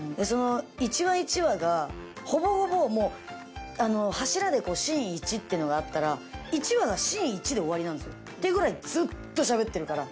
一話一話がほぼほぼもう柱でシーン１っていうのがあったら一話がシーン１で終わりなんですよ。っていうぐらいずっと喋ってるから。